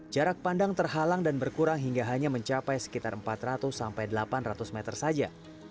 jarak pandang terhalang dan berkurang hingga hanya mencapai sekitar empat ratus sampai delapan ratus meter saja